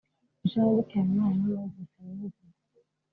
Jean Luc Habimana na Moses Niyonzima